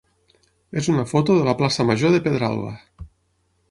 és una foto de la plaça major de Pedralba.